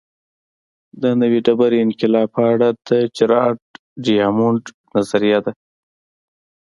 د نوې ډبرې انقلاب په اړه د جراډ ډیامونډ نظریه ده